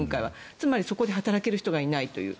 つまりそこで働ける人がいないという。